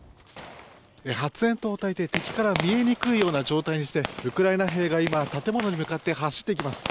発煙筒をたいて敵から見えにくいような状態にしてウクライナ兵が今建物に向かって走っていきます。